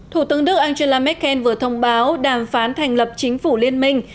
thủ tướng đức angela merkel vừa thông báo đàm phán thành lập chính phủ liên minh